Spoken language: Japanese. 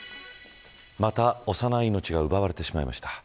また、幼い命が奪われてしまいました。